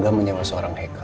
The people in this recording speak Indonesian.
agah menyewa seorang hacker